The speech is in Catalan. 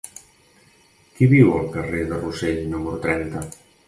Qui viu al carrer de Rossell número trenta?